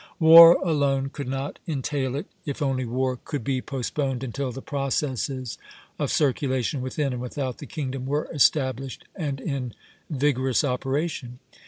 War alone could not entail it, if only war could be postponed until the processes of circulation within and without the kingdom were established and in vigorous operation.